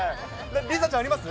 梨紗ちゃん、あります？